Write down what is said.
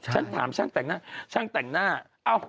ฉันถามช่างแต่งหน้าช่างแต่งหน้า